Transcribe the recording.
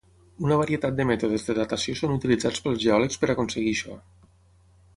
Una varietat de mètodes de datació són utilitzats pels geòlegs per aconseguir això.